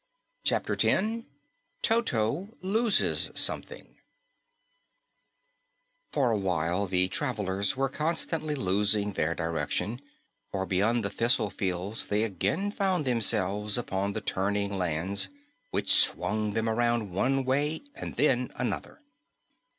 CHAPTER 10 TOTO LOSES SOMETHING For a while the travelers were constantly losing their direction, for beyond the thistle fields they again found themselves upon the turning lands, which swung them around one way and then another.